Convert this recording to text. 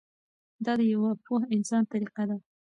دا د یوه پوه انسان طریقه ده.